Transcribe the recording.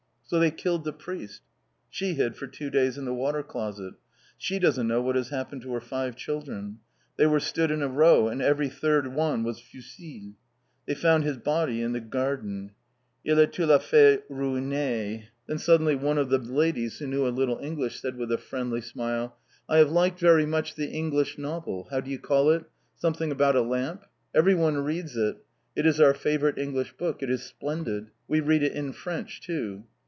"So they killed the priest!" "She hid for two days in the water closet." "She doesn't know what has happened to her five children." "They were stood in a row and every third one was fusillé." "They found his body in the garden!" "Il est tout à fait ruiné." Then suddenly one of the ladies, who knew a little English, said with a friendly smile: "I have liked very much the English novel how do you call it something about a lamp. Everyone reads it. It is our favourite English book. It is splendid. We read it in French too."